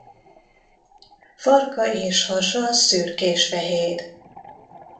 Farka és hasa szürkésfehér.